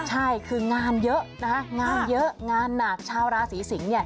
ใช่คืองานเยอะนะคะงานเยอะงานหนักชาวราศีสิงศ์เนี่ย